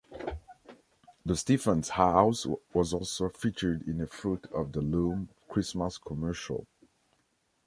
The Stephens house was also featured in a Fruit of the Loom Christmas commercial.